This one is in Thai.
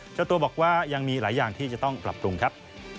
เจ้าตัวบอกว่ายังมีหลายอย่างที่จะต้องปรับปรุงครับ